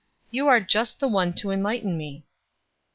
You are just the one to enlighten me."